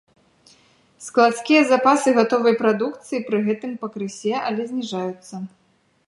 Складскія запасы гатовай прадукцыі пры гэтым пакрысе, але зніжаюцца.